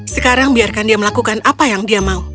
sekarang biarkan dia melakukan apa yang dia mau